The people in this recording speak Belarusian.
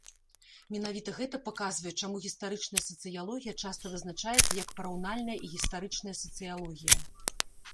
Менавіта гэта паказвае, чаму гістарычная сацыялогія часта вызначаецца як параўнальная і гістарычная сацыялогія.